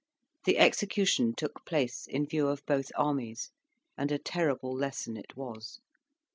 The execution took place in view of both armies, and a terrible lesson it was.